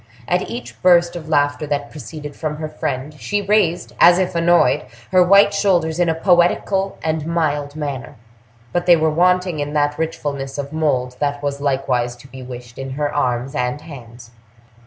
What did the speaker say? At each burst of laughter that proceeded from her friend, she raised, as if annoyed, her white shoulders in a poetical and mild manner, but they were wanting in that richfulness of mold that was likewise to be wished in her arms and hands.